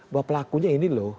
bahwa pelakunya ini loh